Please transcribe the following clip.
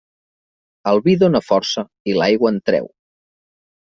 El vi dóna força i l'aigua en treu.